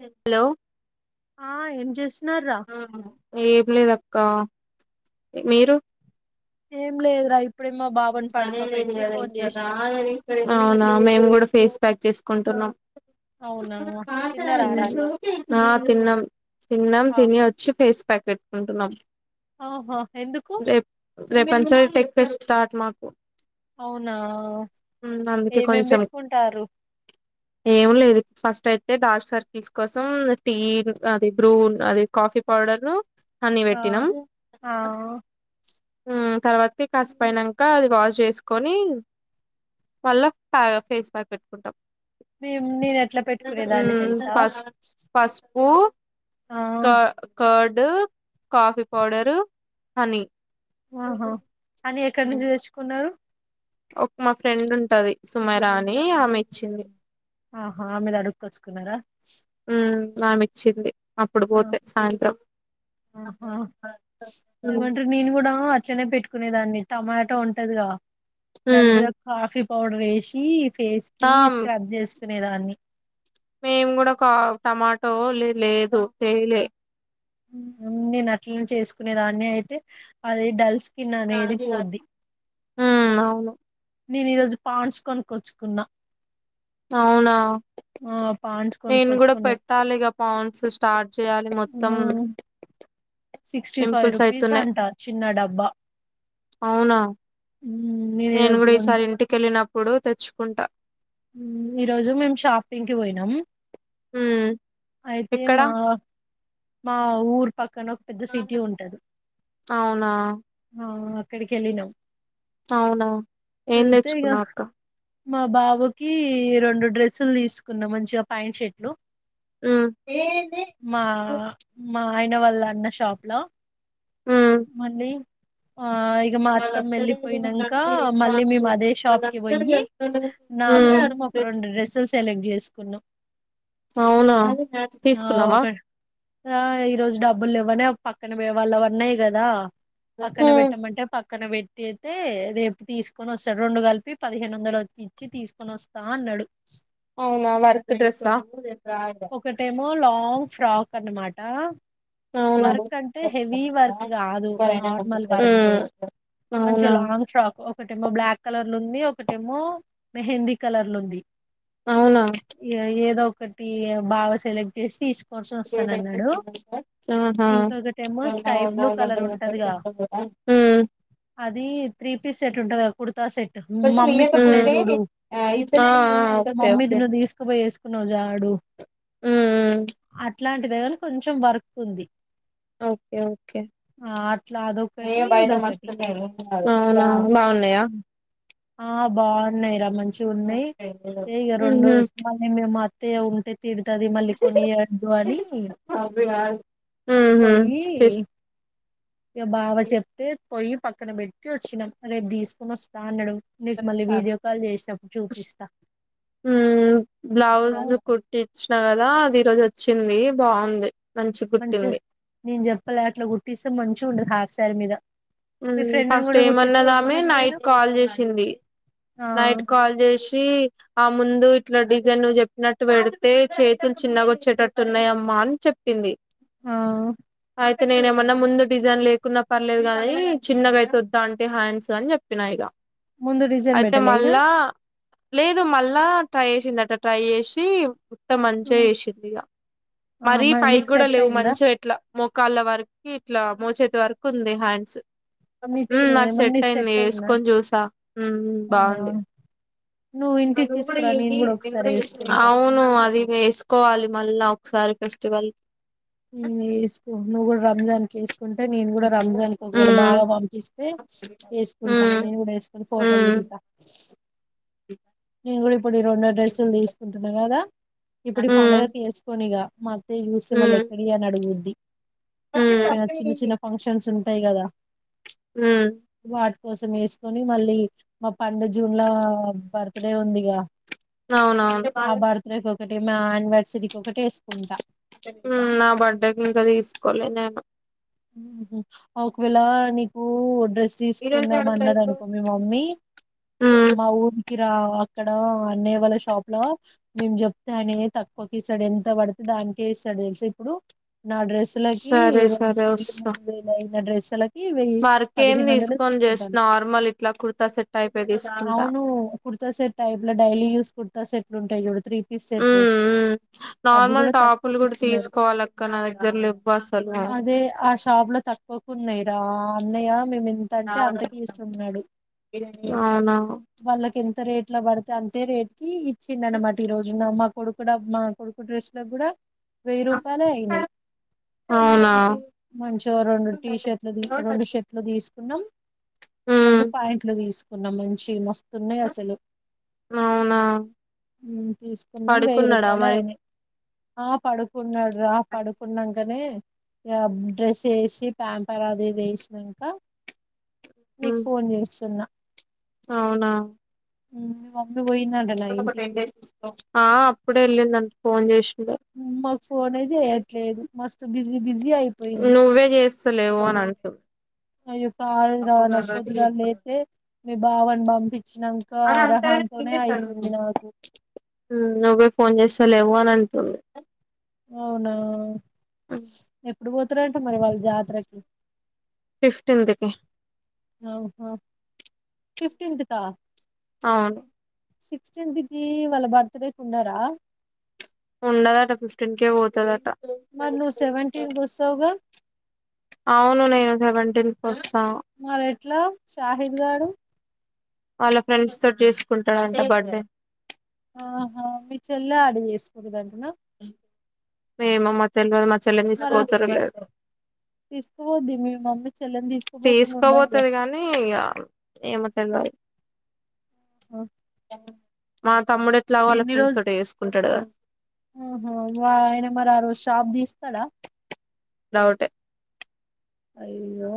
Hello ఆ ఏం చేస్తున్నార్రా ఏం లేద ఆ మీరు ఏం లేదు ర పనే లేదు గద ఈశ్వర్వ అవునా మేము కూడా ఫేస్ ప్యాక్ చేసుకుంటున్నాం అవునా తిన్నారా రా అన్నం [unintelligible] తిన్నం తిన్నాం ఆ తిని వచ్చి ఫేస్ ప్యాకెట్టుకుంటున్నాం ఆహా ఎందుకు రేపు పంచా టెక్ ఫెస్ట్ స్టార్ట్ మాకు అవునా అందుకే ఏమేం కొంచెం పెట్టుకుంటారు ఏమి లేదు ఫస్ట్ అయితే అయితే డార్క్ సర్కిల్స్ కోసం టీ అది బ్రూ అది కాఫీ పౌడర్ ను అన్ని ఆ పెట్టినం ఆ తర్వాతకి కాస్ పోనాంక అది వాష్ చేసుకొని మళ్ళా ప ఫేస్ ప్యాక్ పెట్టుకుంటాం మేము నేను ఎట్లా పెట్టుకునేదాన్ని తెలుసా ఊ ఆ క కర్డ్ కాఫీ పౌడరు హనీ ఆహా అంటే చేసుకునా [unintelligible] ఒక మా ఫ్రెండ్ ఉంటది సుమేరా అని ఆమె ఇచ్చింది ఆహా మీద అడుగొచ్చుకున్నారా మ్మ్ ఆమె ఇచ్చింది అప్పుడు పోతే సాయంత్రం ఆహా వచ్చనే పెట్టుకునే దాన్ని టమాటో ఉంటదిగద దాని మ్మ్. మీద కాఫీ పౌడ్రేషి ఫేస్ కి ఆ స్క్రబ్ చేసు నేదాన్ని మేం కూడా కా టమాటో లే లేదు తేయలే నేను అట్ల చేసుకునే దాన్ని అయితే అది డల్స్ తిన్న అనేది పోద్ది హ అవును నేను ఈరోజు పాండ్స్ కొనకచ్చుకున్నా అవునా పాండ్స్ నేను కూడా కొనుక్కొచ్చుకున్నా పెట్టాలిక పాండ్స్ స్టార్ట్ చేయాలి మొత్తం సిక్స్టీ ఫైవ్ పింపుల్స్ రూపీస్ అయితున్నాయి అంట చిన్న డబ్బా అవునా మ్మ్ నేను ఈరోజు కూడా కొన్ ఈసారి ఇంటికెళ్ళినప్పుడు తెచ్చుకుంటా ఈ రోజు మేము షాపింగ్ కి పోయినం హ్మ్ అయితే మా మా ఊరు పక్కన ఒక పెద్ద సిటీ ఉంటది అవునా ఆ అక్కడికెళ్ళినం అవునా ఏం తెచ్చుకున్నవక్క మా బాబుకి రెండు డ్రెస్సులు తీసుకున్నా మంచిగా ప్యాంట్ షర్ట్లు మ్మ్ మా మా ఆయన వాళ్ళ అన్న షాప్ లో ఉమ్ మళ్ళీ ఆ ఇక మా అత్తం వెళ్ళిపోయినంక మళ్ళీ మేము అదే షాప్ కి పోయి నా ఉమ్ కోసం ఒక రెండు డ్రెస్సులు సెలెక్ట్ చేసుకు కొన్నా అవునా ఆ తీసుకున్నావా ఒక ఈరోజు డబ్బులెవ్వనే పక్కన పోయే వాళ్ళవన్నాయి కదా పక్కన ఉమ్ పెట్టమంటే పక్కన పెట్ ట్టైతే రేపు తీసుకొని వస్తాడు రెండు కలిపి పదిహేను వందలు వచ్చి ఇచ్చి తీసుకొని వస్తా అన్నాడు అవునా వర్క్ డ్రస్సా ఒకటేమో లాంగ్ లాంగ్ ఫ్రాక్ అన్నమాట అవునా వర్క్ అంటే హెవీ వర్క్ కాదు నార్మల్ ఉమ్ వర్క్ మంచి అవునా లాంగ్ ఫ్రాక్ ఒకటేమో బ్లాక్ కలర్ లో ఉంది ఒకటేమో మెహందీ కలర్లుంది అవునా ఇగ ఏదో ఈ బావ సెలెక్ట్ చేసి ఇస్ కోర్సనొస్తానన్నాడు ఆహా ఇంకొకటేమో స్కై బ్లూ కలర్ ఉంటదిగా ఉమ్ అది త్రీ పీస్ సెట్ ఉంటది కుర్తా సెట్ మమ్మీ కు ఉండే చూడు ఉమ్ ఆ ఓకే మమ్మీది ఓకే ను్ తీసుకుపోయేసు నోజా నడు మ్మ్ మ్మ్ ఇట్లాంటిది కానీ కొంచెం వర్క్ ఉంది ఓకే ఓకే ఆ అట్లా అదొకటీ ఇదొకటి అవునా బాగున్నాయా ఊఁ ఆ బావున్నాయి రా మంచి గున్నయ్ ఇగ రెండు ఉహు ఉస్మానియా మే మార్ట్ తే ఉంటేత్ తిడ్తది మళ్ళీ కొనియ్యద్దు అనీ ఉహు పొయ్యి తీస్ ఇక బావ చెప్తే పొయ్యి పక్కన పెట్టి వచ్చినాం రేపు దీస్కొనొస్త అన్నడు బ్లాన్ సార్ ఊఁ బ్లౌ అవును బ్లౌజు కుట్టిచ్చాల్ దా అది ఈరోజొచ్చిందీ బాగుంది మంచి మంచు కుట్టింది నేన్ జెప్పలా అట్లా కుట్టిస్తే మంచిగుండదు హ్యాట్ సర్మీద ఊఁ ఫస్ట్ ఏమన్నదామె నైట్ పోయినావ్ కాల్ జేసిందీ ఆ నైట్ కాల్ జేషీ ఆ ముందు ఇట్లా డిజైన్ నువ్వు జెప్పినట్టు పెడితే చేతుల్ చిన్నగొచ్చేటట్టు ఉన్నయమ్మా అన్ చెప్పింది ఆహ్ అయితే నేనేమన్న ముందు డిజైన్ లేకున్నా పర్లేదు గానీ చిన్నగైతే వద్దాంటి హ్యాండ్స్ అన్జెప్పినా ఇగ ముందుడ్ ఐతె మళ్ళా లేదు మళ్ళా ట్రై సిందట ట్రై జేసీ అంత మంచిగా వేసింది ఇక మరీ పైకి నీకు కూడా సెట్ లేవు అయిందా మంచిగా ఎట్లా మోకాళ్ళ వర్కీ ఇట్లా మోచేతి వర్కున్దీ హ్యాండ్స్ నీ ఊఁ నాక్ ఏమన్నా సెట్ నీకు ఐన్దీ యేస్ అయిందా కోన్ జూసా ఊఁ ఊఁ అవునా బావుంది నువ్వు ఇంటికి అవి గూడ తీసుకురా నేను యెయ్యి కూడా నేన్ గుడ ఒకసారి వేసుకుంటా ఔను అది వేస్ కోవాలి మళ్ళా ఒకసారి ఫెస్టివల్ ఊఁ ఏసుకో నువ్ గుడ రంజాన్ కేస్ కుంటే నేన్గుడ రంజాన్కి ఒకవేళ బావ ఉమ్ పంపిస్తే ఏస్కుంటా ఉమ్ నేన్గుడ ఏస్కొని ఫోటోలు దిగుతా మ్మ్ నేన్గుడ్ ఇప్పుడ్ ఈ రెండో డ్రెస్సులు దీసుకుంటున్నా గదా ఇప్పుడు ఈ ఉమ్ పండగ ఏస్కోన్ ఇగ మా అత్తయ్య చూస్తే ఉమ్ మల్లెక్కడివీ అని అడుగుద్ది ఏమైన చిన్న చిన్న ఉమ్ ఫంక్షన్స్ ఉన్ టై గదా ఊఁ కోసం ఏస్కోని మళ్ళీ మా పండు జూన్లో బర్త్ బర్తడే ఉందిగా ఔనవును ఒకటే మా ఆన్వర్సరి కొకటేస్కుంటా నా బర్త్డేకి ఇంకా తీసుకోవలే నేను మ్మ్ అ ఒకవేళ నీకు డ్రెస్ తీసుకుందాం అన్నదనుకో మీ మమ్మీ ఉమ్ మా ఊరు రా అక్కడ అన్నయ్య వాళ్ళ షాప్ లో మేము చెప్తే అని తక్కువకి ఇస్తాడు ఎంత పడితే దానికే ఇస్తాడు తెలుసా ఇప్పుడు నా డ్రెస్సులకి సరే ర సరే వే వస్తా మూడు వేల అయిన డ్రెస్లకి వెయ్యి వర్క్ ఏం పదిహే వందలు తీసుకోను జస్ట్ చూసుకుంటాను నార్మల్ ఇట్లా కుర్తా సెట్ టైపే తీసుకుంటా అవును కుర్తా సెట్ టైప్ లో డైలీ యూస్ కుర్తా సెట్ ఉంటాయి యూడు మ్ మ్ అవి నార్మల్ కూడా టాపులు తక్కువకి కూడా ఇస్తున్నారు తీసుకోవాలి అక్క నా దగ్గర లేవ్వసలు అదే ఆ షాప్ లో తక్కువకు ఉన్నాయిరా అన్నయ్య మేంతంటే అంతకిస్తున్నాడు అవునా వాళ్ళకి ఎంత రేట్ ఇట్లా పడితే అంతే రేట్ కి ఇచ్చిండు అనమాట ఈ రోజున మా కొడుకు మా కొడుకు డ్రెస్ లో కూడా వెయిరూపాలే అయినయీ అవునా మంచిగా రెండు టీ షర్ట్లు రెండు షర్ట్లు తీసు కున్నాం రెండు హ్మ్ పాయింట్లు తీసుకున్నాం మంచి మ స్తున్నాయి అసలు అవునా తీసుకున్నాం వెయ్యి పడుకున్నాడా రూపాయలు మరి అయినయి ఆ పడుకున్నాడు రా పడుకున్నాం నే ఇగ డ్రెస్ వేసి ప్యాంపర్ అదిది వేసినంక నీకు హ్మ్ ఫోన్ చేస్తున్నా అవునా ఆ ఆ అప్పుడే వెళ్ళిందం ఫోన్ చేష్ మాకు ఫోనే చేయట్లేదు మస్తు బిజీ బిజీ అయిపోయింది నువ్వే చేస్తలేవు అని అంటవు ఆ యొక్క ఆ రా నా కొద్దిగా లేతే మీ భావను పంపించినాక అర్హంతోనే అయితుంది నాకు పో అని అంటుండు అవునా ఎ ఇప్పుడు పోతరంట మరి వా యాత్రకి జిందికి ఆహ ఫిఫ్టీన్త్ కా అవును సిక్స్టీన్త్ కి వాళ్ళ బర్త్ డేకి ఉన్నారా ఉండదట ఫిఫ్టీన్ కే పోతదట మరి నువ్వు సెవెంటీన్కి వస్తావుగా అవును నేను సెవెంటీన్ కోస్ మరి ఎట్లా షాహిద్ గాడు వాళ్ళ ఫ్రెండ్స్ తోటి చేసుకుంటాడంట బర్త్డే ఆహా మీ చెల్ల ఆడి చేసుకూడదంటన ఏమో మరి తెల్వదు నాకు మరి తీసుకుపోద్ది మీ మమ్మీ చెల్లెని తీసుకుపోకుండా ఉండదుగా తీసుకోబోతది కానీ ఇక ఏమో తెల్వదు ఆహా, మా తమ్ముడు ఎట్లా వాళ్ళ ఎన్ని ఫ్రెండ్స్ రోజులు తోట చేసుకుంటడుగా ఆహా వా ఆయన మరి ఆ రోజు షాప్ తీస్తాడా డౌటే అయ్యయ్యో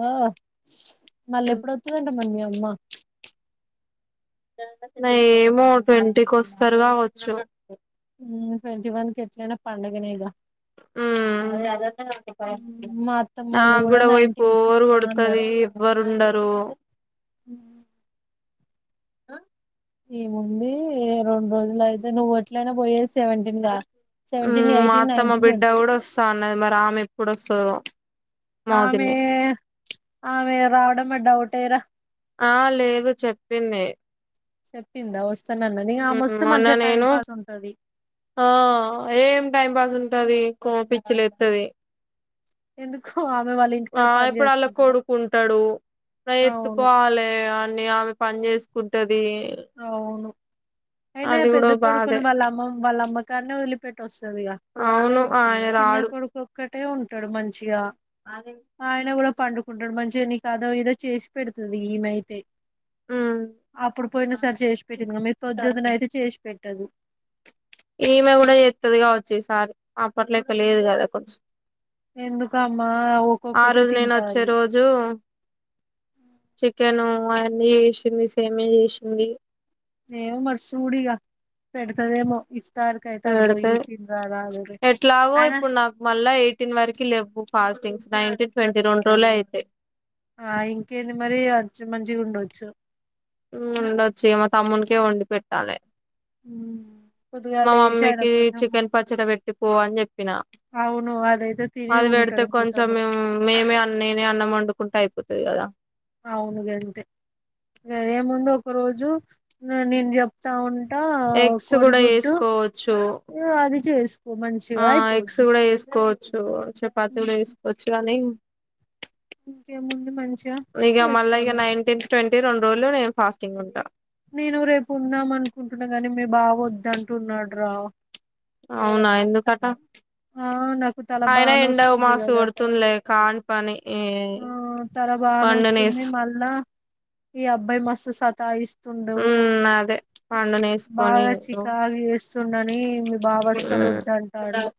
మళ్ళీ ఎప్పుడొత్తదంట మీ అమ్మ న ఏమో ట్వంటీకి వస్తారు కావచ్చు ట్వంటీ వన్ కి ఎట్లైనా పండగనేగా మా నా అత్తమ్మోళ్ళు కూడా పోయి నైన్టీన్ కి బోరు వస్తా కొడుతది అన్నారు ఎవ్వరుండరు ఆ ఈముంది రెండు రోజులు అయితే నువ్వు ఎట్లైనా పోయేసి మా అత్తమ్మ నైన్టీన్ బిడ్డ ట్వంటీ కూడా వస్తా అన్నది మరి ఆమె ఎప్పుడు అస్తా తదో ఆమె ఆమె రావడం మే డౌట్ ఎ రా ఆ లేదు చెప్పింది చెప్పింద వస్త అన్న నేను ఉంటది ఆ ఏం టైం పాస్ ఉ టది కో పిచ్చిలెత్తది ఎందుకు ఆమె వాళ్ళ ఆ ఇంటికాడ పని ఇప్పుడు అళ్లా చేసుకుంటదా కొడుకుంటాడు అవును ఎత్తుకోవాలి అని ఆమె పని చేసుకుంటది అవును అయినా అది పెద్ద కూడా కొడుకుని బాధే వాళ్ళ అమ్మ వాళ్ళ అమ్మకాన్నే వదిలి పెట్టో స్ టదిగా అవును ఆయన చిన్న రాడు కొడుకు ఒక్కటే ఉం టడు మంచిగా ఆయిన కూడా పండు కుంటాడు మంచిగా నీకు అదో ఇదో చేసి పెడుతుంది ఇమైతే ఉమ్ అప్పుడు ఒకసారి జేసి పెట్టిన మీరు పొద్దున్నయితే చేసి పెట్టదు. ఈమె కూడా చేత్తది. కావచ్చు ఈ సారి అప్పటి లెక్క లేదు గాదా కొంచెం ఎందుకమ్మా ఆ ఒక్కొక్కతే రోజు నేను వచ్చే తింటంది. చికెను అవన్నీ జేసింది. సేమ్య జేసింది. ఏమో మరి సూడు ఇగ పెడతదేమో ఇఫ్తార్కి అయితే అటు పోయి పెడతది. తినరా రాదురే ఎట్లాగో ఆయన ఇప్పుడు నాకు మళ్ళా ఎయిటీన్ వరకి లేవ్వు ఫాస్టింగ్స్ నైన్ ట్వంటీ రెండు రోజులు అయితే ఆ ఇంకేంది మరి అచ్చి మంచిగా ఉండొచ్చు. హ్ ఉండొచ్చు ఇగ మా తమ్మునికే వండి పెట్టాలి. పొద్దుగాల మా లేసి ఆయన మమ్మీకి కొంచెం చికెన్ పచ్చడి పెట్టి పో అని చెప్పిన అవును అదైతే తిని అది పెడితే ఉంటాడు మీ కొంచెం మే తమ్ముడు మేమే నేనే అన్నం అండు కుంటా అయిపోతది. గాదా అవును. గంతే గదేముంది ఒక రోజు నేను చెప్తా ఉం ఎగ్స్ కూడా ఏసుకోవచ్చు. అది చేసుకో మంచిగా ఆ ఎగ్స్ అయిపోద్ది కూడా ఏసుకోవ చ్చు చపాతి కూడా ఏసుకోవచ్చు. గాని ఇంకే ముందు మంచిగా చేసుకోండి. ఈ రెండు రోజులు నేను ఫస్టింగ్ ఉంటా నేను రేపు ఉందాం. అనుకుంటున్నా గాని మీ బావ వద్దుంటున్నాడు రా అవునా ఎందుకట ఆ నాకు తలా అయినా బాగా ఎండ నొస్తుంది మస్తు గాదా కొడుతుందిలే కాని పని ఈ ఆ తలా బాగా నొస్తుంది. పండునేస్ మళ్ళా ఈ అబ్బాయి మస్తు సతాయిస్ స్తుండు. ఉమ్ అదే పండునేసుకొని బాగా ఉమ్ చికాకు చేస్తుండని మీ బావ ఆస్సలు వద్దు అంటండు.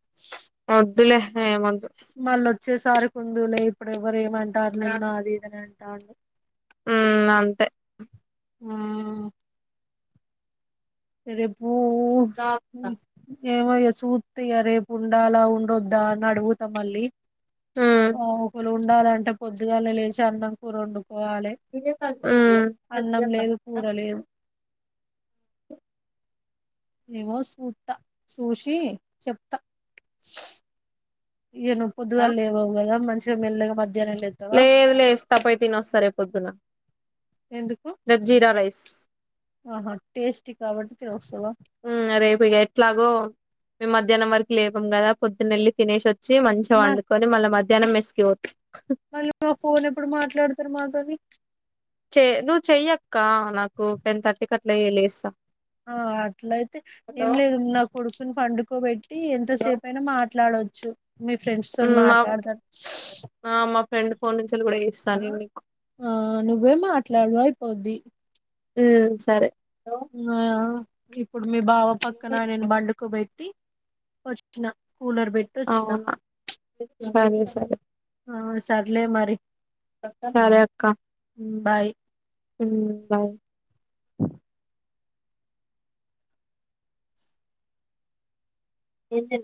ఆ వద్దులే ఏమోద్దు మళ్ళ వచ్చేసారి కి ఉందువు లే ఇప్పుడే ఎవరూ ఏమంటారు. నిన్ను ఆది ఇది అని హ్ అంతే హ్ రేపు ఓ ఏమో ఇగ చూత్త ఇగ రేపు ఉండాలా ఉండొద్దా అని అడుగుతా మళ్ళీ ఉమ్ ఓ ఒకలు ఉండాలంటే పొద్దుగాల్లే లేచి అన్నం కూర వండుకో మ్ అన్నం లేదు కూర లేదు ఏవో చూతా చూషి చెప్తా ఇయనువ్ పొద్దుగోలే లేవవు కదా మం మల్లేగా మ లేదు లేదుస్త తప్పై తిని వస్తా రేపొద్దున ఎందుకు [unintelligible] జీరా రైస్ ఆహా టేస్టీ కాబట్టి తెలుస్తువా ఉమ్ రేపు ఇగ ఎట్లాగో మేము మధ్యాహ్నం వరకు లేపము కదా పొద్దునెళ్లి తినేసి వచ్ వచ్చి మంచిగా మ వండుకొని మళ్ళ మ మధ్యాహ్నం మెస్ కి పొ మా ఫోన్ ఎప్పుడు మాట్లాడతారు మాతొని చె నువ్వు చెయ్యక్క నాకు టెన్ థర్టీకి అట్లాలేస్తా ఆ అట్లయితే ఏం లేదు నా కొడుకుని పండుకోబెట్టి ఎంతసేప అయినా మా మాట్లాడొచ్చు మీ ఫ్రెండ్స్ తోని మ్ మాట్లాడతారు మ మా ఫ్రెండ్ ఫోన్ నుంచిలు కూడా చేస్ పనులు నీకు ఆ నువ్వే మాట్లాడువ అయిపోద్ది ఉ సరే ఆ ఇప్పుడు మీ బావ పక్కన నేను బండుకు పెట్టి వచ్చిన అవునా సరే సరే చర్లే మరి సరే అక్క బాయ్ బాయ్ అ ఏతే